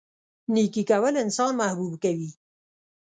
نیکي کول انسان محبوب کوي.